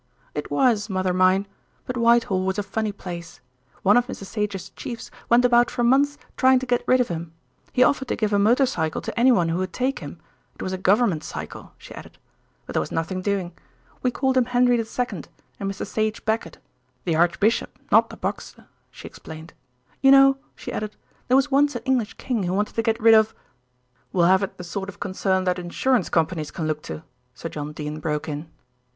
"It was, mother mine; but Whitehall was a funny place. One of Mr. Sage's chiefs went about for months trying to get rid of him. He offered to give a motor cycle to anyone who would take him, it was a Government cycle," she added; "but there was nothing doing. We called him Henry the Second and Mr. Sage Becket, the archbishop not the boxer," she explained. "You know," she added, "there was once an English king who wanted to get rid of " "We'll have it the sort of concern that insurance companies can look to," Sir John Dene broke in.